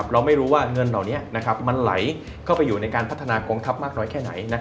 เราไม่รู้ว่าเงินเหล่านี้มันไหลเข้าไปอยู่ในการพัฒนากองทัพมากน้อยแค่ไหน